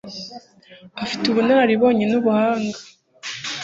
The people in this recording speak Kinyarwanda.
afite ubunararibonye n'ubuhanga